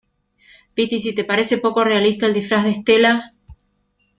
piti, si te parece poco realista el disfraz de Estela